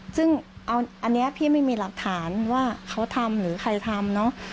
ซึ่งอันนี้พี่ไม่มีหลักฐานว่าเขาทำหรือใครทำเนอะ